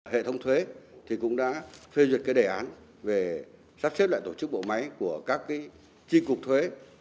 hệ thống thuế cũng đã phê duyệt đề án về sắp xếp lại tổ chức bộ máy của các tri cục thuế